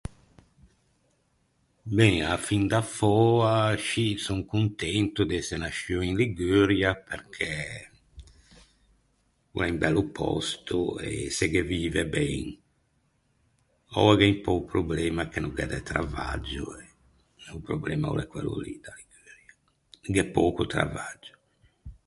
Ben, a-a fin da föa, scì, son contento d’ëse nasciuo in Liguria perché o l’é un bello pòsto e se ghe vive ben. Oua gh’é un pö o problema che no gh’é de travaggio e o problema o l’é quello lì, gh’é pöco travaggio.